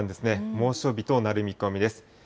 猛暑日となる見込みです。